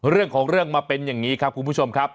เรื่องของเรื่องมาเป็นอย่างนี้ครับคุณผู้ชมครับ